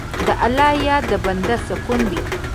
د الله یاد د بنده سکون دی.